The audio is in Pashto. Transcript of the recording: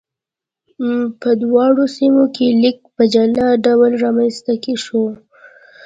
په دواړو سیمو کې لیک په جلا ډول رامنځته شو.